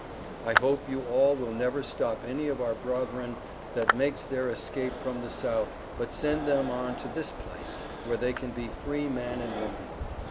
I hope you all will never stop any of our Brotheran that makes their Escep from the South but send them on to this Place where they can be free man and woman.